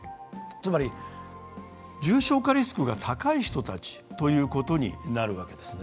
つまり重症化リスクが高い人たちということになるわけです。